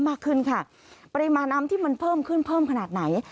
มากขึ้นค่ะปริมาณน้ำที่มันเพิ่มขึ้นเพิ่มขนาดไหน